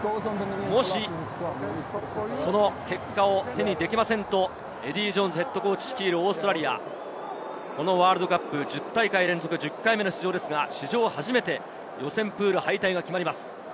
もし、その結果を手にできないとエディー・ジョーンズＨＣ率いるオーストラリア、このワールドカップ１０大会連続１０回目の出場ですが、史上初めて予選プール敗退が決まります。